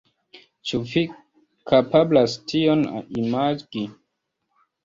Ĉu vi kapablas tion imagi?